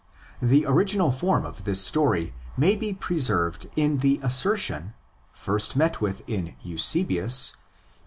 The original form of this story may be preserved in the assertion, first met with in Eusebius (H.